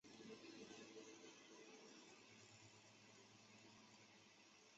马德朗热。